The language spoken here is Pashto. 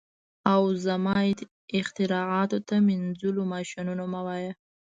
او زما اختراعاتو ته مینځلو ماشینونه مه وایه